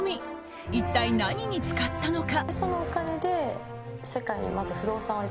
一体何に使ったのか。